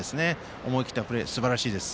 思い切ったプレーすばらしいです。